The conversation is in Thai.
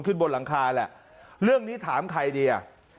ขึ้นบนหลังคาแหละเรื่องนี้ถามใครดีอ่ะ